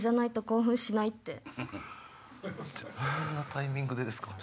こんなタイミングでですか？